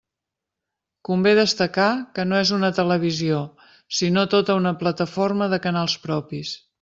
Convé destacar que no és una televisió sinó tota una plataforma de canals propis.